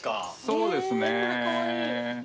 そうですね。